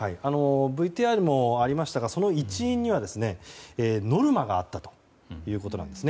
ＶＴＲにもありましたがその一因にはノルマがあったということです。